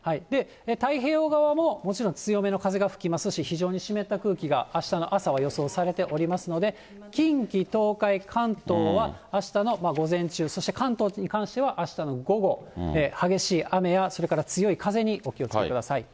太平洋側も、もちろん強めの風が吹きますし、非常に湿った空気が、あしたも朝は予想されておりますので、近畿、東海、関東はあしたの午前中、そして関東に関してはあしたの午後、激しい雨や、それから強い風にお気をつけください。